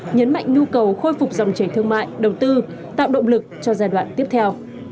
nhấn mạnh nhu cầu khôi phục dòng chảy thương mại đầu tư tạo động lực cho giai đoạn tiếp theo